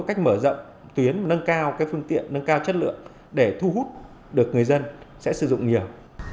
cách mở rộng tuyến nâng cao phương tiện nâng cao chất lượng để thu hút được người dân sẽ sử dụng nhiều